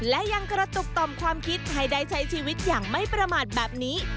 และยังกระตุกต่อมความคิดให้ได้ใช้ชีวิตอย่างไม่ประมาทแบบนี้